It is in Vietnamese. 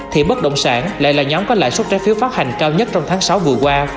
thì bất động sản lại là nhóm có lãi suất trái phiếu phát hành cao nhất trong tháng sáu vừa qua